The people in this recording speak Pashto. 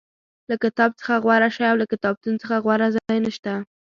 له کتاب څخه غوره شی او له کتابتون څخه غوره ځای نشته.